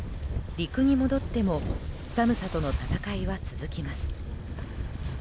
陸に戻っても寒さとの闘いは続きます。